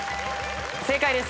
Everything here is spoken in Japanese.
正解です。